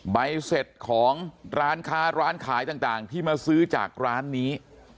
ใบเสร็จของร้านค้าร้านขายต่างที่มาซื้อจากร้านนี้